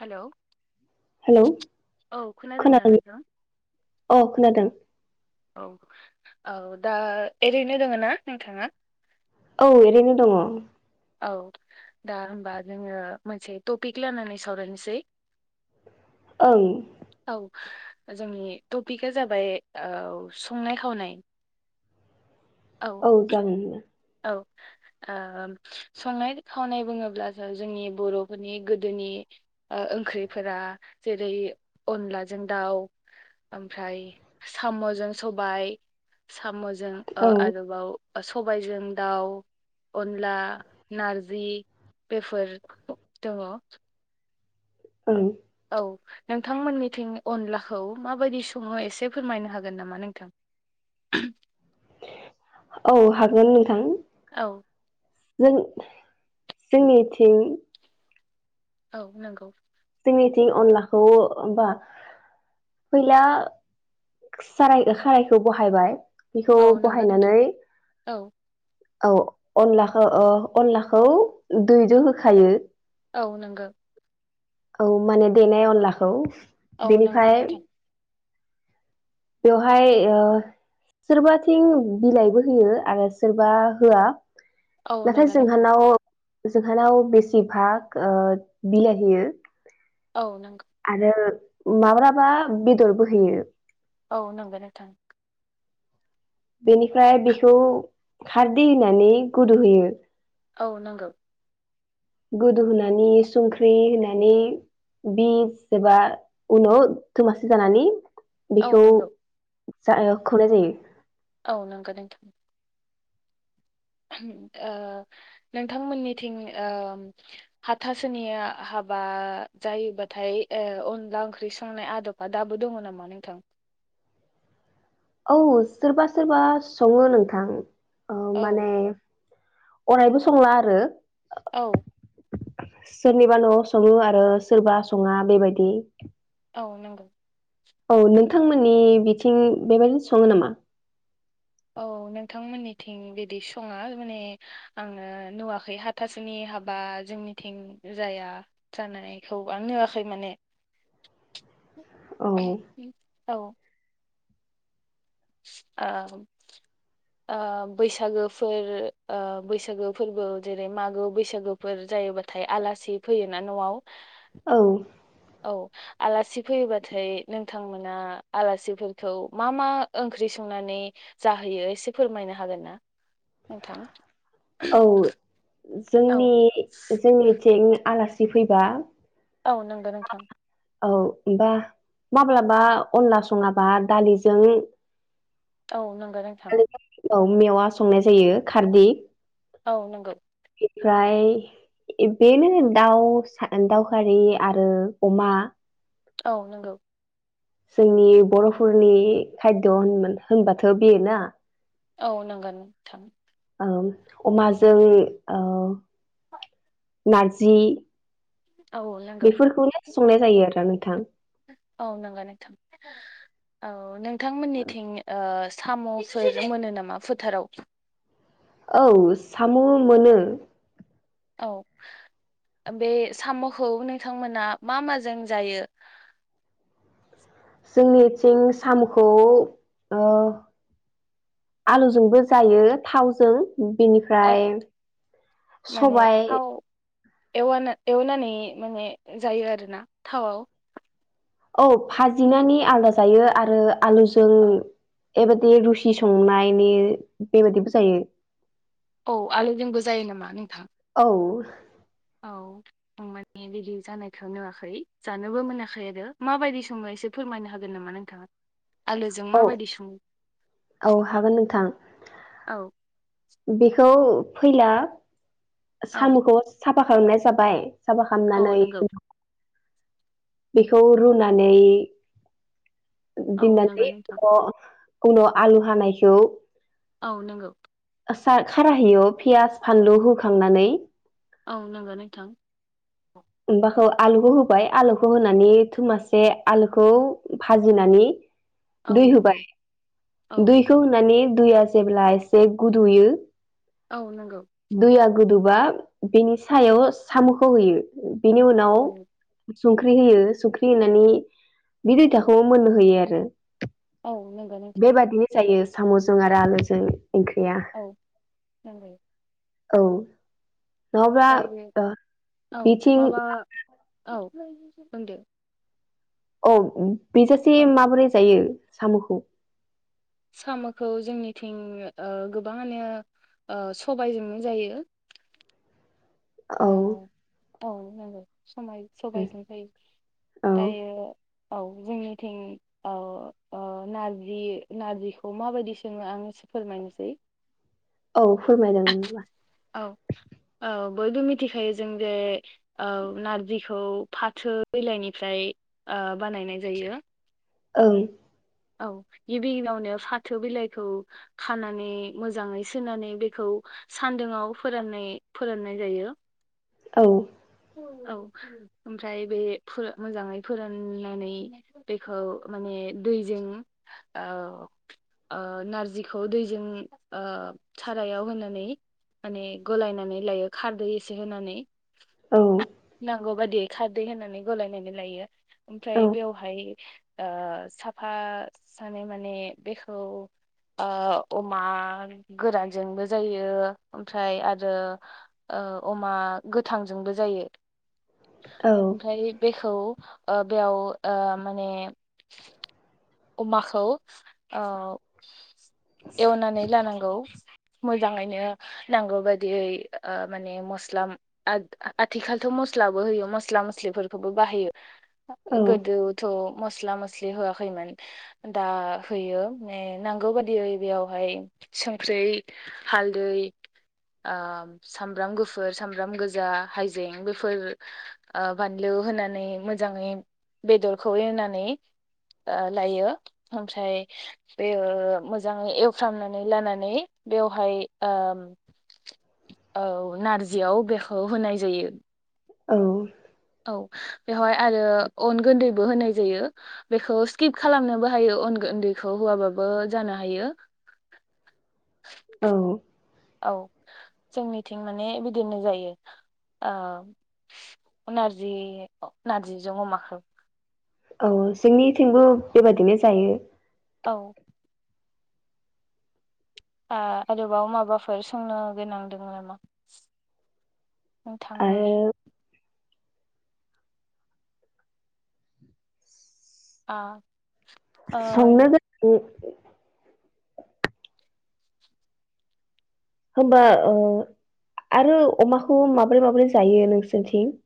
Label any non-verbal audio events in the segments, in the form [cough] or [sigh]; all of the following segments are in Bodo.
हेलौ हेलौ औ खोनादोंना खोनादों नोंथां औ खोनादों औ औ दा ओरैनो दोङ ना नोंथाङा औ ओरैनो दङ औ दा हबा जोङो मोनसे टपिक लानानै सावरायनोसै ओं औ जोंनि टपिकआ जाबाय औ संनाय खावनाय औ जागोन बेनो। औ ओम संनाय खावनाय बुङोब्लासो जोंनि बर'फोरनि गोदोनि ओ ओंख्रिफोरा जेरै अनलाजों दाउ ओमफ्राय साम'जों सबाय साम' जों ओ औ आरोबाव सबायजों दाउ अनला नारजि बेफोर दङ। ओं औ नोंथांमोननिथिं अनलाखौ माबायदि सङो एसे फोरमायनो हागोन नामा नोंथां? [inaudible] औ हागोन नोंथां औ नों जोंनिथिं औ नंगौ जोंनिथिं अनलाखौ ओ बा फैला साराय खारायखौ बहायबाय बेखौ औ नंगौ नोंथां बहायनानै औ औ अनलाखौ ओ अनलाखौ दैजों होखायो। औ नोंगो। औ माने देनाय अनलाखौ औ नोंगो बेनिफ्राय बिथां। बेवहाय ओ सोरबाथिं बिलाइबो होयो आरो सोरबा होआ औ नाथाय नंगौ नोंथां जोंहानाव जोंहानाव बेसे भाग ओ बिलाइ होयो औ नंगौ आरो माब्लाबा बेदरबो होयो। औ नोंखौ नोंथां बेनिफ्राय बेखौ खारदै होनानै गुदु होयो औ नोंगौ गोदौ होनानै संख्रि होनानै बिस एबा उनाव थोमासि जानानै औ बेखौ नंगौ जा खौनाय जायो औ नोंगौ नोंथां ओ नोंथांमोननिथिं ओ हाथासोनिया हा बा जायोबाथाय ओ अनला ओंख्रि संनाय आदबा दाबो दङ नामा नोंथां? औ सोरबा सोरबा सङो नोंथां ओ औ माने अरायबो संला आरो औ सोरनिबा न'आव सङो आरो सोरबा सङा बेबायदि औ नोंगौ औ नोंथांमोननि बिथिं बेबायदिनो सङो नामा? औ नोंथांमोननिथिं बिदि सङा माने आङो नुवाखै हाथासुनि हाबा जोंनिथिं जाया जानायखौ आं नुवाखै माने [inaudible] औ औ औ ओ बैसागोफोर ओ बैसागो फोरबो जेरै मागो बैसागोफोर जायोबाथाय आलासि फैयोना न'आव औ औ आलासि फैयोबाथाय नोंथांमोना आलासिफोरखौ मा मा ओंख्रि संनानै जाहैयो एसे फोरमायनो हागोन ना नोंथां? औ औ जोंनि जोंनिथिं आलासि फैबा औ नंगौ नोंथां। औ होमबा माब्लाबा अनला सङाबा दालिजों औ नंगौ नोंथां। दालिजों औ मेवा संनाय जायो खारदिख औ नंगौ फ्राय बेनो दाउस दाउ खारि आरो अमा औ नंगौ। जोंनि बर'फोरनि खायद होन होनबाथ' बेयो ना औ नंगौ नो थां औ अमाजों औ नार्जि औ नंगौ संनाय जायो आरो नोंथां। औ नंगौ नोंथां औ नोंथां मोननिथिं ओ साम'फोरजों मोनो नामा फोथाराव औ साम' मोनो औ बे साम'खौ नोंथांमोना मा माजों जायो। [unintelligible] [inaudible] जोंनिथिं साम'खौ ओ आलुजोंबो जायो थावजों औ बिनिफ्राय सबायाइ एवाना एवनानै माने जायो आरोना थावाव औ भाजिनानै आलदा जायो आरो आलुजों औ एबाददि रुसि संनायनि बेबायदिबो जायो। औ आलुजोंंबो जायो नामा नोंथां। औ औ आं माने बिदि जानायखौ नुवाखै जानोबो मोनाखै आरो माबायदि संयै एसे फोरमायनो हागोन नामा नोंथाङा। आलुजों औ माबायदि सङो औ हागोन नोंथां औ बेखौ फैला औ साम'खौ साफा खालामनाय जाबाय। साफा औ खालामनानै नंगौ बेखौ रुनानै औ नंगौ दोननानै नोंथां खुनु आलु हानायखौ औ नंगौ। सा खाराहैयो पियास फानलु होखांनानै औ नंगौ नोंथां। ओमबाखौ आलुखौ होबाय आलुखौ होनानै थुमासे आलुखौ भाजिनानै औ दै नंगौ होबाय औ दैखौ होनानै दैया जेब्ला एसे गुदुयो औ नंगौ। गोदौबा बेनि सायाव साम'खौ होयो। बिनि उनाव औ संख्रि होयो संख्रि होनानै बे दैथाखौ मोननो होयो आरो औ नंगौ नोंथां। बेबादिनो जायो साम'जों आरो आलुजों ओंख्रिया औ नांबायो। औ नङाब्ला दायो ओ औ बिथिं माबा औ बुंदो। औ बेसोरजे माबोरै जायो साम'खौ साम'खौ जोंनिथिं ओ गोबाङानो ओ सबायजोंनो जायो। [unintelligible] [inaudible] औ औ नांगौ। समाय उम, सबायजोंबो औ जायो। औ जोंनिथिं ओ नारजि नार्जिखौ माबायदि सोङो आं स ए फोरमायनोसै। औ फोरमायदोंबा? औ बयबो मिथिखायो जों जे ओ नारजिखौ फाथो बिलायनिफ्राय बानायनाय जायो। ओं औ गिबि उनावनो फाथो बिलाइखौ खानानै मोजाङै सुनानै बेखौ सान्दआव फोराननाय फोराननाय जायो। औ। औ। ओमफ्राय बे मोजाङै फोराननानै बेखौ माने दै ओ ओ नारजिखौ दैजों ओ सारायाव होनानै माने गलायनानै लायो खारदै एसे होनानै औ नांगौ बाददियै खारदै होननानै गलायनानै लायो ओमफ्राय औ बेवहाय ओ साफा सानै माने बेखौ अमा गोरानजोंबो जायो ओमफ्राय आरो ओ अमा गोथांजोंबो जायो ओमफ्राय बेखौ ओ बेयाव ओ माने अमाखौ ओ एवनानै लानांगौ। मोजाङैनो नांगौ बायदियै माने मस्ला आथिखालथ' मसलाबो होयो मसला मसलिफोरखौबो बाहायो। औ गोदोथ' मस्ला मस्लि होआखैमोन। दा होयो मे नांगौ बादियै बेयावहाय संख्रि हालदै। ओ सामब्राम गुफुर, सामब्राम गोजा, हाइजें बेफोर बानलु। होनानै मोजाङै बेदरखौ एवनानै लायो ओमफ्राय बे ओ मोजाङै एवफ्रामनानै लानानै बेवहाय ओ [inaudible] औ नारजियाव बेखौ होनाय जायो। औ। औ। बेवहाय आरो अन गुन्दैबो होनाय जायो बेखौ स्किप खालामनोबो हायो। अनगुन्दैखौ होवाबाबो जानो हायो। औ। औ जोंनिथिं माने बिदिनो जायो। ओ नारजि नारजिजों अमाखो औ जोंनि थिंबो बेबायदिनो जायो। औ। आ आरोबाव माबाफोर सोंनो गोनांदों नामा? नोंथांनि आरो आ संनो ओ गोनां होनबा ओ आरो अमाखौ माबोरै माबोरै जायो नोंसोरथिं?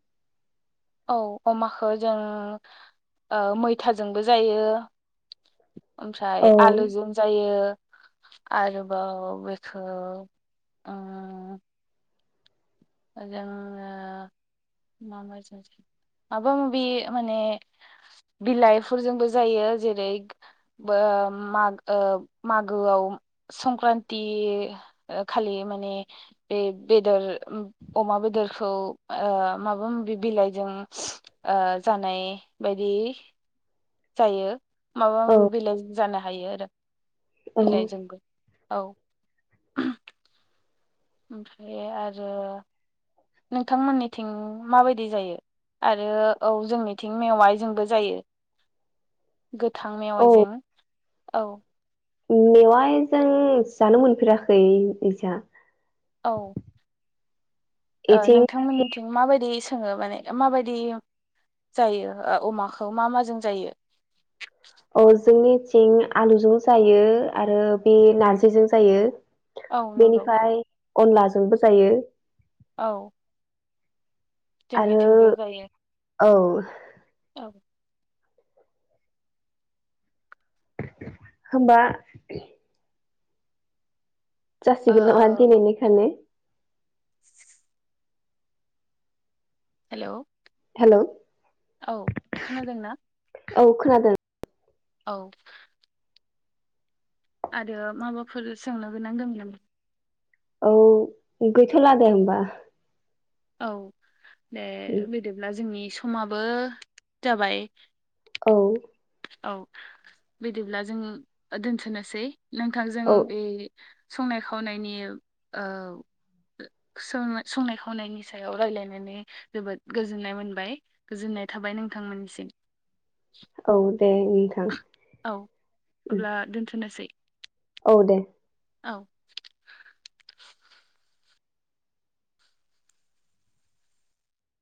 औ अमखौ जों मैथाजोंबो जायो। [inaudible] ओमफ्राय औ आलुजों जायो। आरोबाव बेखौ जोंङो मा मा [inaudible] माबा माबि माने बिलाइफोरजोंबो जायो जेरै बो माग ओ मागोआव संक्रान्ति ओ खालि माने बे बेदर अमा बेदरखौ ओ माबा माबि बिलाइजों ओ जानाय बाय दि। जायो माबा औ माबि बिलाइजों जानो हायो आरो औ बिलाइजोंबो। औ ओमफ्राय आरो नोंथांमोननिथिं माबायदि जायो? आरो औ जोंनिथिं मेवाय जोंबो जायो। [unintelligible] गोथां मेवाइजों औ मेवाय जों जानो मोनफेराखै ओजा। औ ओ इथिं नोंथांमोननिथिं माबायदि सङो माने माबायदि जायो ओ अमाखौ मा माजों जायो? अ जोंनिथिं आलुजों जायो आरो बे नारजिजों जायो। औ नंगौ बेनिफ्राय अनलाजोंबो जायो। औ आरो जोंनिथिंबो जायो। औ औ होमबा जासिगोन नामा ओ गेलेनायखोनो? हेलौ हेलौ औ खोनादों ना? औ खोनादों। औ आरो माबाफोर सोंनो गोनां दों नामा? औ गैथ' लादे होमबा। औ दे बिदिब्ला जोंनि समाबो जाबाय। औ औ बिदिब्ला जों दोनथनोसै नोंथां जों औ बे संनाय खावनायनि ओ सोंना संनाय खावनायनि सायाव रायलायनानै जोबोद गोजोननाय मोनबाय गोजोननाय थाबाय नोंथांमोननिसिम। [unintelligible] औ दे नोंथां औ ओह अब्ला दोनथ'नोसै औ दे औ